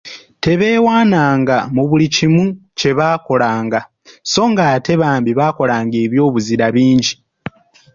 Tebeewaananga mu buli kimu kye baakolanga so ng'ate bambi baakola eby'obuzira bingi.